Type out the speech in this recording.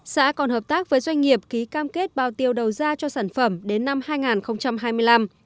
xã còn hợp tác với doanh nghiệp ký cam kết bao tiêu đầu ra cho sản phẩm đến năm hai nghìn hai mươi năm